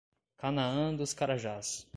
Canaã dos Carajás